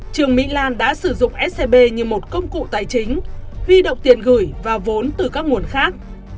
trương mỹ lan đã sử dụng scb như một công cụ tài chính huy động tiền gửi và vốn từ các nguồn khác